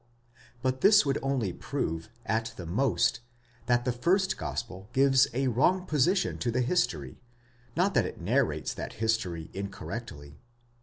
But this would only prove, at the most, that the first gospel gives a wrong position to the history ; not that it narrates that history incorrectly.